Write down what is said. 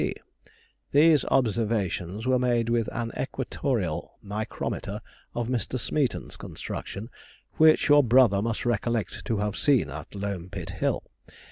P. D. These observations were made with an equatorial micrometer of Mr. Smeaton's construction, which your brother must recollect to have seen at Loam Pit Hill.